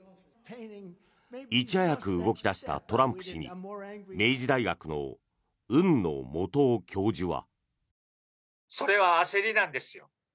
いち早く動き出したトランプ氏に明治大学の海野素央教授は。